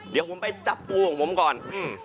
เดี๋ยวผมไปจับปูของผมก่อนอืม